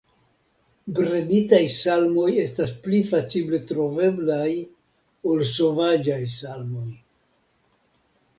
Breditaj salmoj estas pli facile troveblaj ol sovaĝaj salmoj.